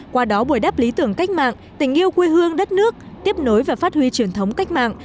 qua đó bồi đắp lý tưởng cách mạng tình yêu quê hương đất nước tiếp nối và phát huy truyền thống cách mạng